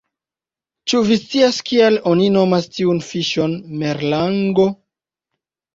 "Ĉu vi scias kial oni nomas tiun fiŝon merlango?"